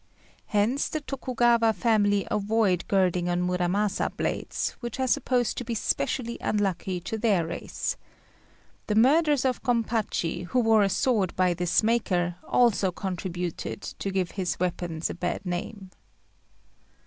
Hence the Tokugawa family avoid girding on Muramasa blades, which are supposed to be specially unlucky to their race. The murders of Gompachi, who wore a sword by this maker, also contributed to give his weapons a bad name.